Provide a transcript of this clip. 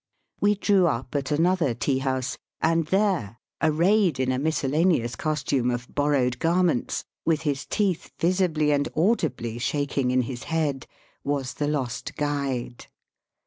We drew up at another tea house, and there, arrayed in a miscellaneous costume of borrowed garments, with his teeth visibly and audibly shaking in his head, was the lost guide.